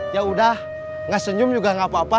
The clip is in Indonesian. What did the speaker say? yaudah gak senyum juga gak apa apa